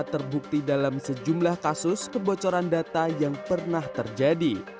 terbukti dalam sejumlah kasus kebocoran data yang pernah terjadi